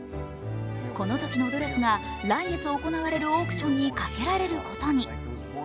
このときのドレスが来月行われるオークションにかけられることに。